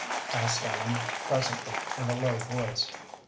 asked Ellen, presently, in a low voice.